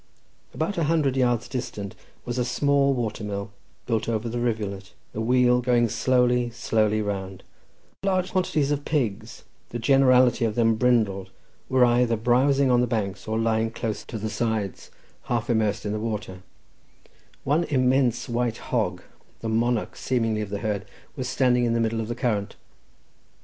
About a hundred yards distant was a small watermill, built over the rivulet, the wheel going slowly, slowly round; large quantities of pigs, the generality of them brindled, were either browsing on the banks, or lying close to the sides, half immersed in the water; one immense white hog, the monarch seemingly of the herd, was standing in the middle of the current.